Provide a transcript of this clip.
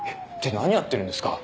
何やってるんですか？